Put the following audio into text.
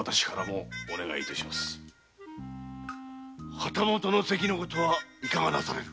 旗本の籍のことはいかがなされる？